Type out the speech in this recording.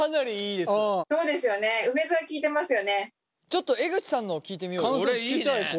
ちょっと江口さんのを聞いてみよう。